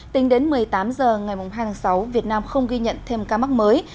tính đến một mươi tám h ngày hai tháng sáu việt nam không ghi nhận thêm ca mắc mới